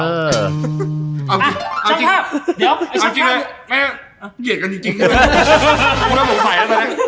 เอ้าจริงมันเหงียดกันจริงเลยพูดแล้วผมไปแล้วเถอะนะ